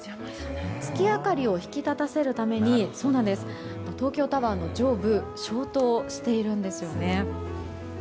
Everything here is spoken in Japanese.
月明かりを引き立たせるために東京タワーの上部消灯しているんですよね。